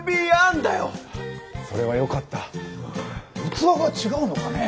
器が違うのかねえ。